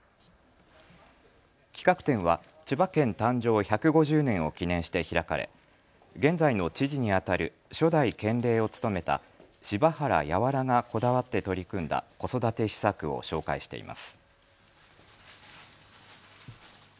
企画展は千葉県誕生１５０年を記念して開かれ現在の知事にあたる初代県令を務めた柴原和がこだわって取り組んだ子育て施策を紹介しています。